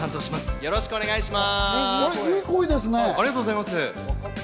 よろしくお願いします！